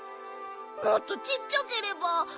もっとちっちゃければ。